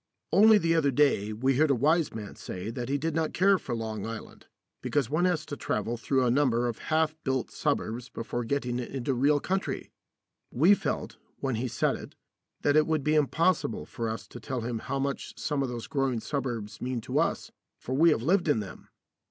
Only the other day we heard a wise man say that he did not care for Long Island, because one has to travel through a number of half built suburbs before getting into real country. We felt, when he said it, that it would be impossible for us to tell him how much some of those growing suburbs mean to us, for we have lived in them.